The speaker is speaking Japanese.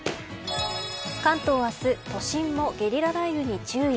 関東、明日都心もゲリラ雷雨に注意。